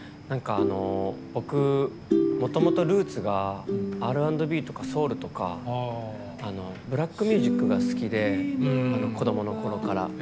僕、もともとルーツがＲ＆Ｂとかソウルとかブラックミュージックが好きで子どもの頃から。